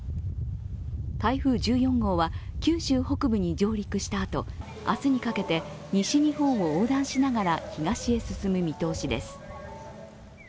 台風１４号は九州北部に上陸したあと明日にかけて西日本を横断しながら東へ進む見通しです。